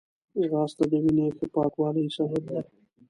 ځغاسته د وینې ښه پاکوالي سبب ده